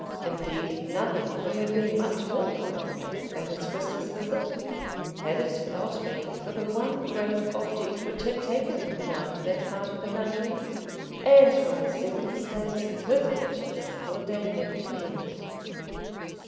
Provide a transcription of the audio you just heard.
Indeed nothing could have been much more commonplace than his Christmas visit, had it not been for the one great object which had taken him down to that part of the country, and for the circumstance with which his holiday had been ended.